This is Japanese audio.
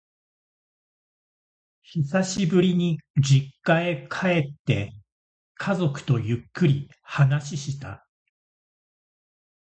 久しぶりに実家へ帰って、家族とゆっくり話した。